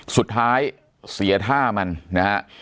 สุดท้ายเสียท่ามันนะฮะ